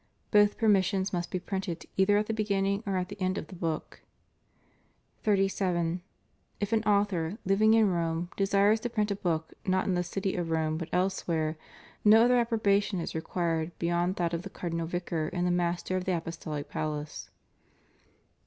Both permissions must be printed either at the beginning or at the end of the book. 37. If an author, living in Rome, desires to print a book, not in the city of Rome but elsewhere, no other approba tion is required beyond that of the Cardinal Vicar and the Master of the Apostolic Palace.